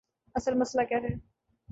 اصل مسئلہ کیا ہے؟